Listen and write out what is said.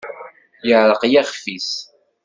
Yeɛreq yixef-is.